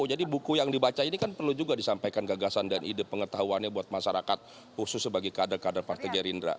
jadi buku yang dibaca ini kan perlu juga disampaikan gagasan dan ide pengetahuannya buat masyarakat khusus sebagai kader kader partai gerindra